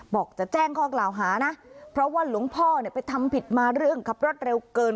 บอกจะแจ้งข้อกล่าวหานะเพราะว่าหลวงพ่อเนี่ยไปทำผิดมาเรื่องขับรถเร็วเกิน